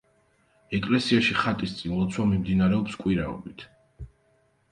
ეკლესიაში ხატის წინ ლოცვა მიმდინარეობს კვირაობით.